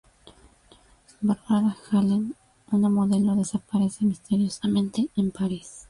Barbara Hallen, una modelo, desaparece misteriosamente en París.